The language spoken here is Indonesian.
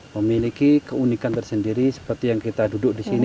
memiliki keunikan tersendiri seperti yang kita duduk di sini